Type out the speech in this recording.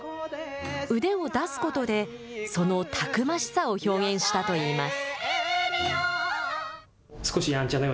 腕を出すことでそのたくましさを表現したといいます。